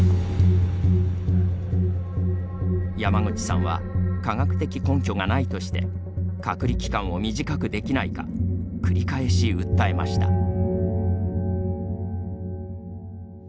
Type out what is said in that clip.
山口さんは科学的根拠がないとして隔離期間を短くできないか繰り返し訴えました。